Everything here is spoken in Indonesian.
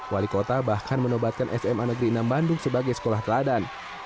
wali kota bahkan menobatkan sma negeri enam bandung sebagai sekolah teladan